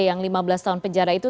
yang lima belas tahun penjara itu